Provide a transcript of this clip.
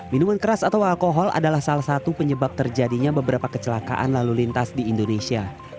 minuman keras atau alkohol adalah salah satu penyebab terjadinya beberapa kecelakaan lalu lintas di indonesia